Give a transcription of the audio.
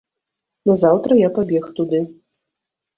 Назаўтра я пабег туды.